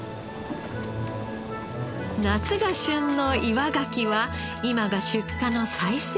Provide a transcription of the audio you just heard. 夏が旬の岩ガキは今が出荷の最盛期。